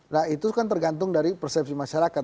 nah itu kan tergantung dari persepsi masyarakat